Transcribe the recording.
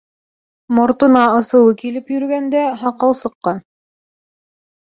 Мортона асыуы килеп йөрөгәндә, һаҡал сыҡҡан.